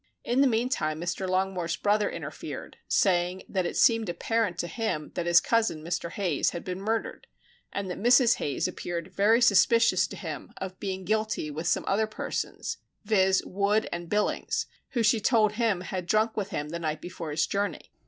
In the meantime Mr. Longmore's brother interfered, saying, that it seemed apparent to him that his cousin (Mr. Hayes) had been murdered, and that Mrs. Hayes appeared very suspicious to him of being guilty with some other persons, viz., Wood and Billings (who she told him, had drunk with him the night before his journey).